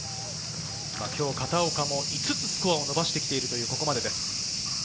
今日、片岡も５つスコアを伸ばしている、ここまでです。